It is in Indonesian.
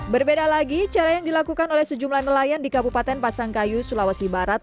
berbeda lagi cara yang dilakukan oleh sejumlah nelayan di kabupaten pasangkayu sulawesi barat